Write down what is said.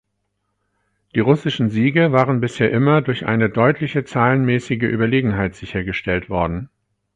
Die russischen Siege waren bisher immer durch eine deutliche zahlenmäßige Überlegenheit sichergestellt worden.